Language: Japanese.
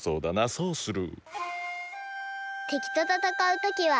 そうする。